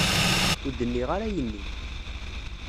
Ur d-nniɣ ara ayen-nni.